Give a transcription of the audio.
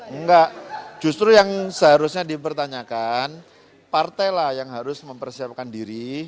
enggak justru yang seharusnya dipertanyakan partai lah yang harus mempersiapkan diri